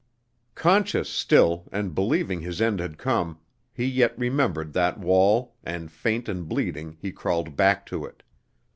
Conscious still, and believing his end had come, he yet remembered that wall, and faint and bleeding he crawled back to it.